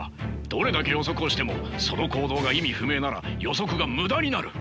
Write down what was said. どれだけ予測をしてもその行動が意味不明なら予測が無駄になる。